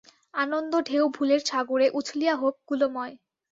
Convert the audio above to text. আনন্দ-ঢেউ ভুলের সাগরে উছলিয়া হোক কূলময়।